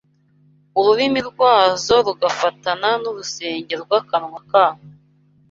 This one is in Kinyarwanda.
Ururimi rwazo rugafatana n’urusenge rw’akanwa kabo